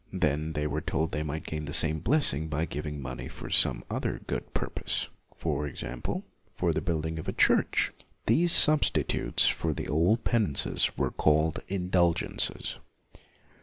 Then they were told they might gain LUTHER 5 the same blessing by giving money for some other good purpose; for example, for the building of a church. These sub stitutes for the old penances were called indulgences.